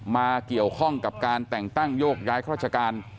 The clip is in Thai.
มาเกี่ยวข้องกับการแต่งตั้งโยกย้ายราชการ